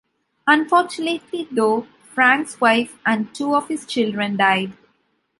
Unfortunately, though, Franck's wife and two of his children died.